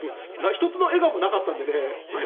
１つの笑顔もなかったのでね。